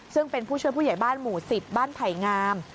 ซึ่งเป็นผู้ช่วยผู้ใหญ่บ้านหมู่๑๐บ้านไผ่งาม